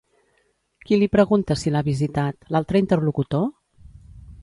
Qui li pregunta si l'ha visitat, l'altre interlocutor?